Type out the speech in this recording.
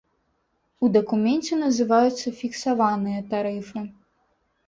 У дакуменце называюцца фіксаваныя тарыфы.